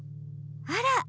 あら！